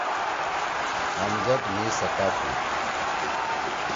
امجد مھی سَکا تُھو۔